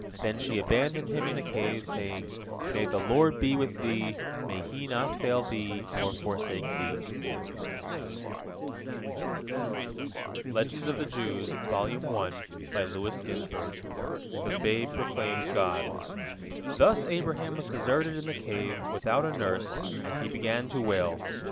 Then she abandoned him in the cave, saying, "May the Lord be with thee, may He not fail thee nor forsake thee." THE BABE PROCLAIMS GOD Thus Abraham was deserted in the cave, without a nurse, and he began to wail.